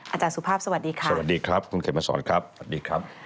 อาจารย์สุภาพสวัสดีค่ะสวัสดีครับคุณเขมสอนครับสวัสดีครับ